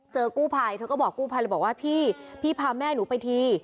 เจอกู้ภัยเธอก็บอกกู้ภัยบอกว่าพี่พาแม่หนูไปที